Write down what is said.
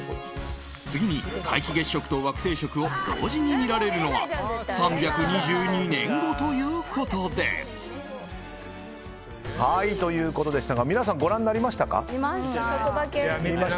次に皆既月食と惑星食を同時に見られるのは３２２年後ということです。ということでしたが皆さんご覧になりましたか？